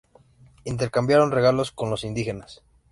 Intercambiaron regalos con los indígenas.